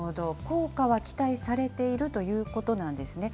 効果は期待されているということなんですね。